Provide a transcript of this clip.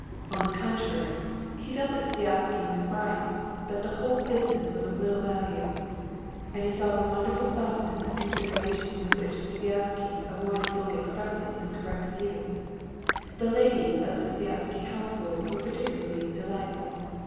On the contrary, he felt that Sviazhsky was right, that the whole business was of little value, and he saw the wonderful softness and consideration with which Sviazhsky avoided fully expressing his correct view. The ladies of the Sviazhsky household were particularly delightful.